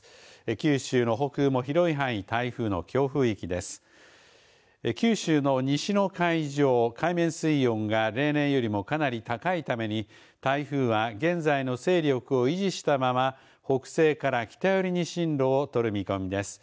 九州の西の海上海面水温が例年よりもかなり高いために台風は現在の勢力を維持したまま北西から北寄りに進路を取る見込みです。